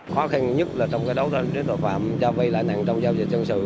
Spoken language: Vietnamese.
khó khăn nhất trong đấu tranh với tội phạm cho vai lãi nặng trong giao dịch dân sự